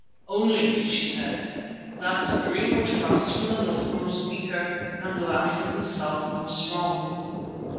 Only, she said, that stream which comes from the north grows weaker and that from the south more strong."